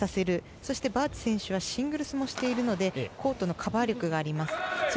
そしてバーチ選手はシングルスもしているのでコートのカバー力があります。